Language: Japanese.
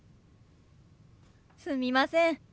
すみません。